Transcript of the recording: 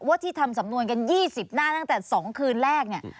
ที่ทำสำนวนกัน๒๐หน้าตั้งแต่๒คืนแรกเนี่ย